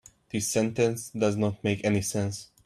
This sentence does not make any sense.